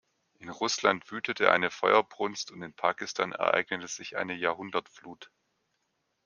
In Russland wütete eine Feuerbrunst und in Pakistan ereignete sich eine Jahrhundertflut.